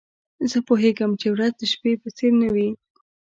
زه پوهیږم چي ورځ د شپې په څېر نه وي.